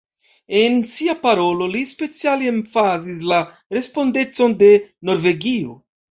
En sia parolo, li speciale emfazis la respondecon de Norvegio.